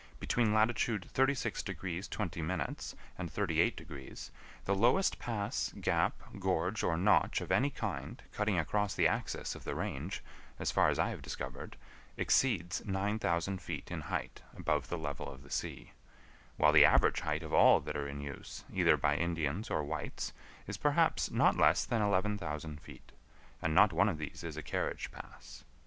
Between latitude 36° 20′ and 38° the lowest pass, gap, gorge, or notch of any kind cutting across the axis of the range, as far as I have discovered, exceeds 9000 feet in height above the level of the sea; while the average height of all that are in use, either by Indians or whites, is perhaps not less than 11,000 feet, and not one of these is a carriage pass.